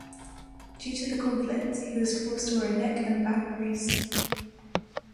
Due to the conflict, he was forced to wear a neck and back brace.